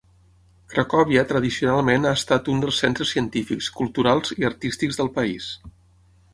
Cracòvia tradicionalment ha estat un dels centres científics, culturals i artístics del país.